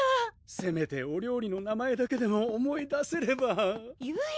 せめてお料理の名前だけでも思い出せればゆい！